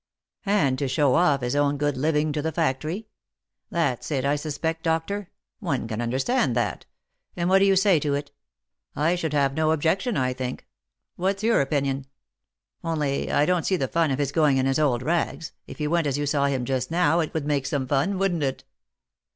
" And to show off his own good living to the factory ? That's it, I suspect, doctor ; one can understand that — and what do you say to it ? I should have no objection, I think ; what's your opinion ? only I don't see the fun of his going in his old rags, if he went as you saw him just now, it would make some fun, wouldn't it